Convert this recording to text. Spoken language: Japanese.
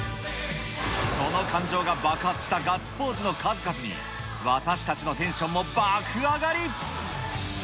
その感情が爆発したガッツポーズの数々に、私たちのテンションも爆上がり。